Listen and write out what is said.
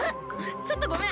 ちょっとごめん。